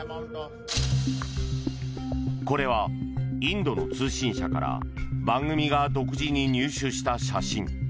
これは、インドの通信社から番組が独自に入手した写真。